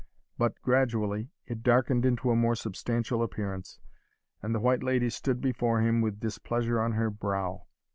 But, gradually, it darkened into a more substantial appearance, and the White Lady stood before him with displeasure on her brow.